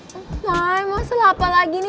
maaai masalah apa lagi nih